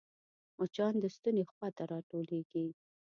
مچان د ستوني خوا ته راټولېږي